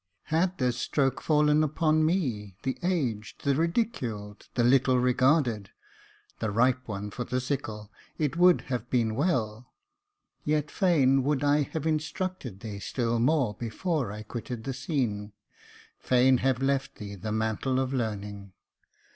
"Had this stroke fallen upon me, the aged, the ridiculed, the little regarded, the ripe one for the sickle, it would have been well — (yet fain would I have instructed thee still more before I quitted the scene — fain have left thee the mantle of learning).